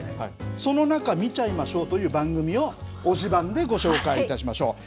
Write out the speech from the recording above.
その中見ちゃいましょうという番組を、推しバン！でご紹介いたしましょう。